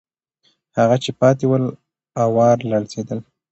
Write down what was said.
هغه چې پاتې ول، آوار لړزېدل.